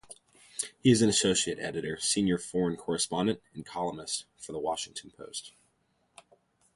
He is an associate editor, senior foreign correspondent, and columnist for "The Washington Post".